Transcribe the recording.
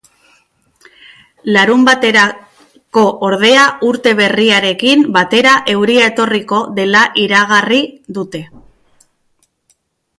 Larunbaterako, ordea, urte berriarekin batera, euria etorriko dela iragarri dute.